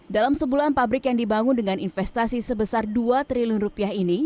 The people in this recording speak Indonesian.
dalam sebulan pabrik yang dibangun dengan investasi sebesar dua triliun rupiah ini